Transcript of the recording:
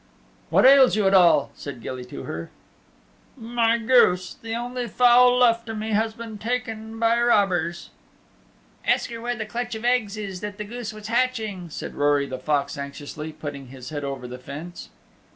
"What ails you at all?" said Gilly to her. "My goose the only fowl left to me has been taken by robbers." "Ask her where the clutch of eggs is that the goose was hatching," said Rory the Fox anxiously, putting his head over the fence.